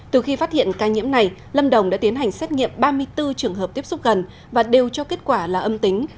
từ khi phát hiện ca nhiễm này lâm đồng đã tiến hành xét nghiệm ba mươi bốn trường hợp tiếp xúc gần và đều cho kết quả là âm tính